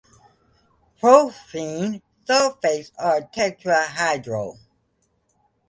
Phosphine sulfides are tetrahedral.